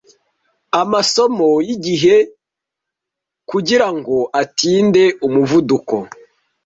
Amasomo yigihe kugirango atinde umuvuduko,